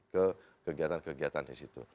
ke kegiatan kegiatan di situ